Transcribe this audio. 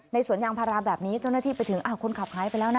สวนยางพาราแบบนี้เจ้าหน้าที่ไปถึงคนขับหายไปแล้วนะ